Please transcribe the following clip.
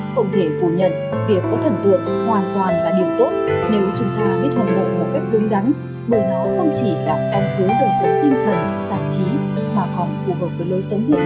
không thể phủ nhận việc có thần tượng hoàn toàn là điều tốt nếu chúng ta biết hâm mộ một cách đúng đắn bởi nó không chỉ làm phong phú đời sức tinh thần giải trí mà còn phù hợp với lối sống hiện nay